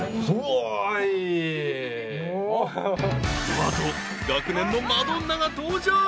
［この後学年のマドンナが登場］